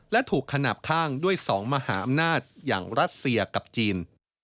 และถูกขนาดข้างด้วย๒มหาอำนาจอย่างรัสเซียกับจีน